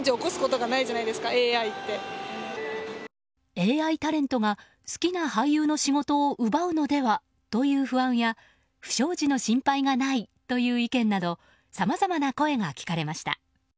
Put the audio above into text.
ＡＩタレントが好きな俳優さんの仕事を奪うのではという不安や不祥事の心配がないという意見などさまざまな声が聞かれました。